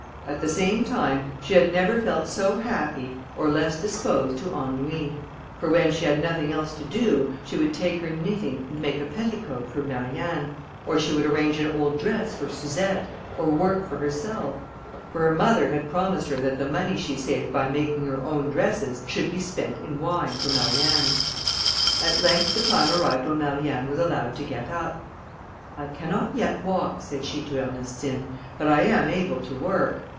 At the same time, she had never felt so happy or less disposed to ennui; for when she had nothing else to do, she would take her knitting, and make a petticoat for Marianne, or she would arrange an old dress for Suzette, or work for herself; for her mother had promised her that the money she saved by making her own dresses, should be spent in wine for Marianne. At length the time arrived when Marianne was allowed to get up. "I cannot yet walk," said she to Ernestine, "but I am able to work.